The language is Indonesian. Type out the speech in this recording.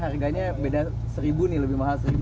harganya beda seribu nih lebih mahal seribu